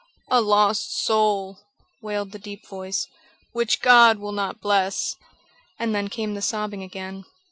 "A lost soul!" wailed the deep voice, "which God will not bless!" And then came the sobbing again.